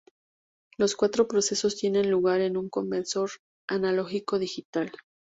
Los cuatro procesos tienen lugar en un conversor analógico-digital.